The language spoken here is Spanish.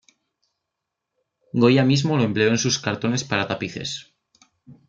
Goya mismo lo empleó en sus cartones para tapices.